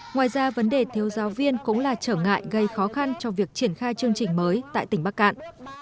ngoài ra vấn đề thiếu giáo viên cũng là trở ngại gây khó khăn cho việc triển khai chương trình mới tại tỉnh bắc cạn